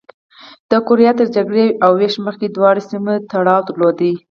د کوریا تر جګړې او وېش مخکې دواړو سیمو تړاو درلود.